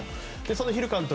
そのヒル監督